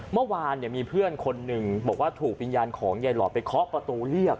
เมื่อวานมีเพื่อนคนหนึ่งบอกว่าถูกวิญญาณของยายหลอดไปเคาะประตูเรียก